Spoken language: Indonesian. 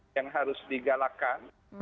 yang harus digalakkan